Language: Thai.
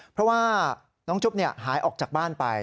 เพราะว่าน้องจุ๊บหายออกจากบ้านไป